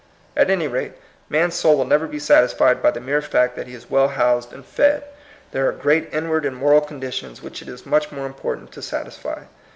At any rate, man's soul will never be satisfied by the mere fact that he is well housed and fed. There are great inward and moral condi tions which it is much more important to satisfy.